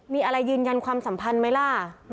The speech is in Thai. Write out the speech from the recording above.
มีอะไรยืนยันความสัมพันธ์ไหมล่ะ